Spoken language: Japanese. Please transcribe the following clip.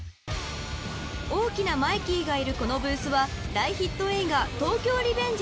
［大きなマイキーがいるこのブースは大ヒット映画『東京リベンジャーズ２』］